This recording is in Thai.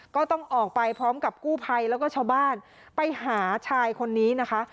ก็ต้องออกไปพร้อมกับกู้ภัยแล้วก็ชาวบ้านไปหาชายคนนี้นะคะ